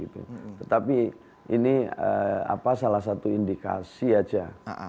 tetapi ini salah satu indikasi saja